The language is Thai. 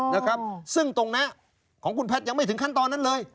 นะครับซึ่งตรงนี้ของคุณแพทย์ยังไม่ถึงขั้นตอนนั้นเลย